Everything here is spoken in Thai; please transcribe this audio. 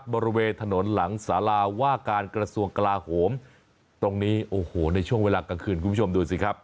บริเวณถนนหลังสาราว่าการกระทรวงกลาโหมตรงนี้โอ้โหในช่วงเวลากลางคืนคุณผู้ชมดูสิครับ